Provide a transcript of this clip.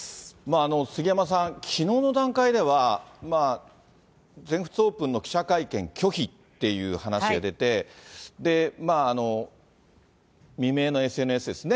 杉山さん、きのうの段階では、全仏オープンの記者会見拒否っていう話が出て、未明のＳＮＳです